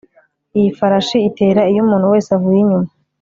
Iyi farashi itera iyo umuntu wese avuye inyuma